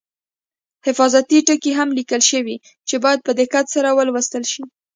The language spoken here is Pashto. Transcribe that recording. حفاظتي ټکي هم لیکل شوي چې باید په دقت سره ولوستل شي.